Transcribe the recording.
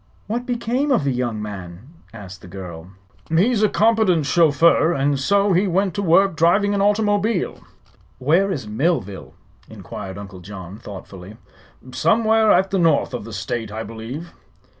"What became of the young man?" asked the girl. "He's a competent chauffeur, and so he went to work driving an automobile." "Where is Millville?" inquired Uncle John, thoughtfully. "Somewhere at the north of the State, I believe."